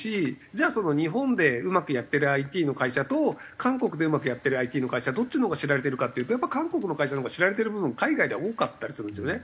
じゃあ日本でうまくやってるＩＴの会社と韓国でうまくやってるＩＴの会社どっちのほうが知られてるかというとやっぱ韓国の会社のほうが知られてる部分海外では多かったりするんですよね